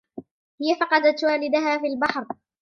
هىَ فقدت والدها فىِ البحر.